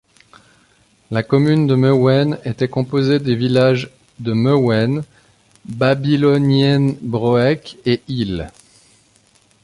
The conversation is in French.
La commune de Meeuwen était composée des villages de Meeuwen, Babyloniënbroek et Hill.